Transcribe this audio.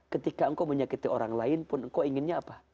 ketika engkau menyakiti orang lain pun engkau inginnya apa